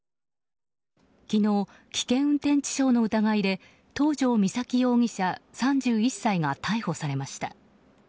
昨日、危険運転致傷の疑いで東條岬容疑者、３１歳が逮捕されました。